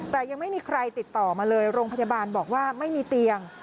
แต่ยังไม่มีใครติดต่อมาเลยโรงพยาบาลบอกว่าไม่มีเตียง